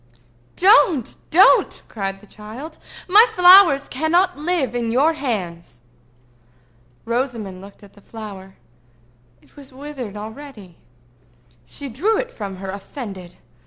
"Don't! don't!" cried the child. "My flowers cannot live in your hands." Rosamond looked at the flower. It was withered already. She threw it from her, offended.